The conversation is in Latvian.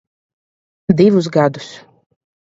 Divus gadus.